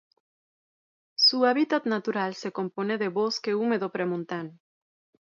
Su hábitat natural se compone de bosque húmedo premontano.